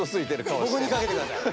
ぼくにかけてください。